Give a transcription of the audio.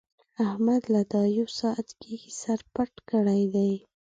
احمد له دا يو ساعت کېږي سر پټ کړی دی.